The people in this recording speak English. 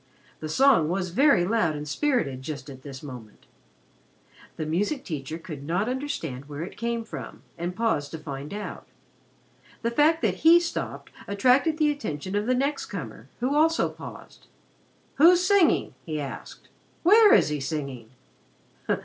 The song was very loud and spirited just at this moment. The music teacher could not understand where it came from, and paused to find out. The fact that he stopped attracted the attention of the next comer, who also paused. "Who's singing?" he asked. "Where is he singing?"